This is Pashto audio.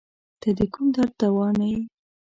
ته د کوم درد دوا نه یی